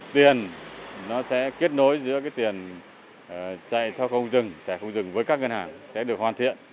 tiền nó sẽ kết nối giữa cái tiền chạy theo không dừng chạy không dừng với các ngân hàng sẽ được hoàn thiện